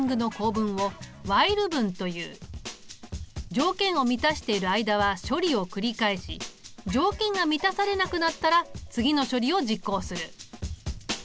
条件を満たしている間は処理を繰り返し条件が満たされなくなったら次の処理を実行する。